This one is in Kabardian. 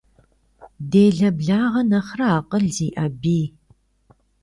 Делэ благъэ нэхърэ, акъыл зиӀэ бий.